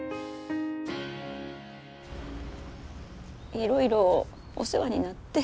いろいろお世話になって。